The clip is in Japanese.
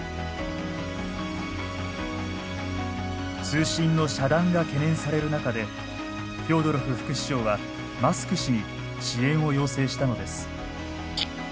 通信の遮断が懸念される中でフョードロフ副首相はマスク氏に支援を要請したのです。